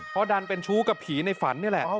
เพราะดันเป็นชู้กับผีในฝันนี่แหละ